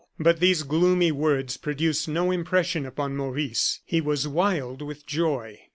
But these gloomy words produced no impression upon Maurice; he was wild with joy.